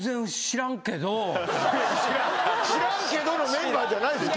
「知らんけど」のメンバーじゃないです。